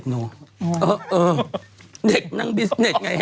ใช่ติดโรคทางเพศเข้านี่แหละฮะ